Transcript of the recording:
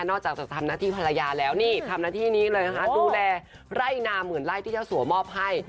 อกจากจะทำหน้าที่ภรรยาแล้วนี่ทำหน้าที่นี้เลยนะคะดูแลไร่นาหมื่นไร่ที่เจ้าสัวมอบให้